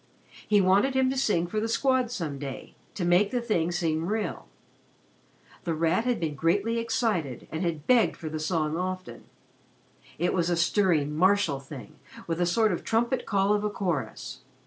He wanted him to sing for the Squad some day, to make the thing seem real. The Rat had been greatly excited, and had begged for the song often. It was a stirring martial thing with a sort of trumpet call of a chorus.